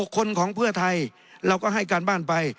คนของเพื่อไทยเราก็ให้การบ้านไป